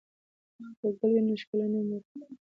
که ګل وي نو ښکلا نه مري.